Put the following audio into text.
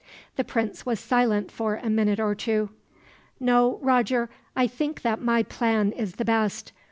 The prince was silent for a minute or two. "No, Roger, I think that my plan is the best.